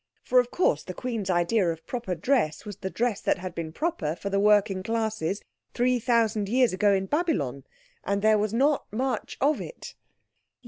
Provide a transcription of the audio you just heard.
For, of course, the Queen's idea of proper dress was the dress that had been proper for the working classes 3,000 years ago in Babylon—and there was not much of it.